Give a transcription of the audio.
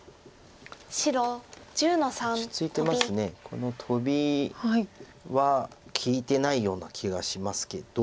このトビは利いてないような気がしますけど。